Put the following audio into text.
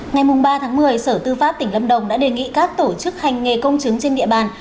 ngày ba tháng một mươi sở tư pháp tỉnh lâm đồng đã đề nghị các tổ chức hành nghề công chứng trên địa bàn